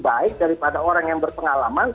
baik daripada orang yang berpengalaman